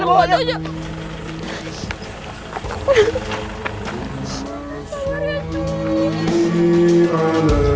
pokoknya darin pikir betlla